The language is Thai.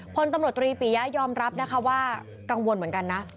พลตำรวจตรีปียะยอมรับนะคะว่ากังวลเหมือนกันนะ